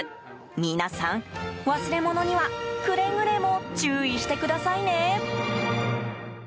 皆さん、忘れ物にはくれぐれも注意してくださいね。